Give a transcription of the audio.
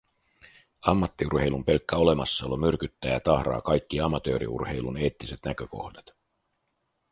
Ammattiurheilun pelkkä olemassaolo myrkyttää ja tahraa kaikki amatööriurheilun eettiset näkökohdat.